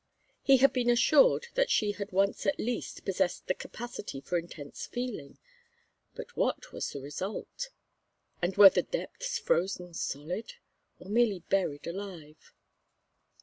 He had been assured that she had once at least possessed the capacity for intense feeling, but what was the result? And were the depths frozen solid? Or merely buried alive?